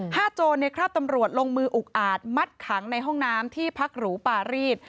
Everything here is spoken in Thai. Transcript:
โจรในคราบตำรวจลงมืออุกอาจมัดขังในห้องน้ำที่พักหรูปารีส